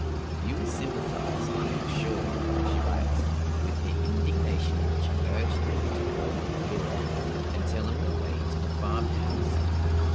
"You will sympathize, I am sure" (she writes), "with the indignation which urged me to call on Philip, and tell him the way to the farmhouse.